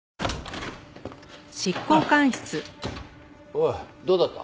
おいどうだった？